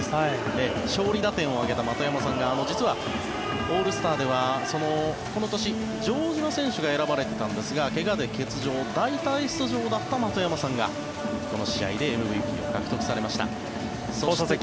勝利打点を挙げた的山さんが実はオールスターではこの年、城島選手が選ばれていたんですが怪我で欠場代替出場だった的山さんがその試合でＭＶＰを獲得されました。